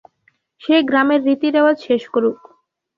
সে গ্রামের রীতি-রেওয়াজ শেষ করুক।